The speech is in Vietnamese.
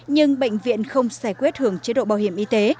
nhưng bệnh viện không sẻ quyết hưởng chế độ bảo hiểm y tế